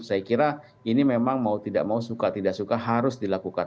saya kira ini memang mau tidak mau suka tidak suka harus dilakukan